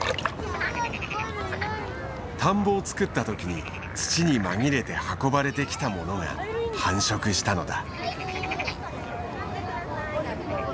田んぼをつくった時に土に紛れて運ばれてきたものが繁殖したのだ。